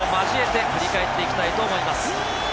自由視点映像を交えて振り返っていきたいと思います。